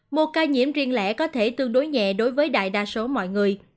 một ca nhiễm riêng lẻ có thể tương đối nhẹ đối với đại đa số mọi người